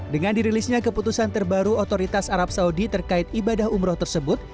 dengan dirilisnya keputusan terbaru otoritas arab saudi terkait ibadah umroh tersebut